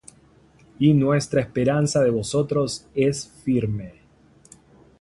Y nuestra esperanza de vosotros es firme;